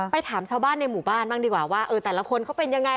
ถามชาวบ้านในหมู่บ้านบ้างดีกว่าว่าเออแต่ละคนเขาเป็นยังไง